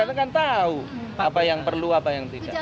aku mengerjakan tahu apa yang perlu apa yang tidak